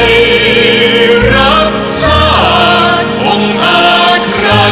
ไม่เร่รวนภาวะผวังคิดกังคัน